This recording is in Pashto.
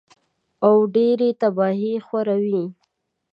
او ډېرې تباهۍ خوروي